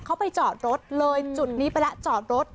เขาไปจอดรถเลยจุดนี้ไปแล้วจอดรถ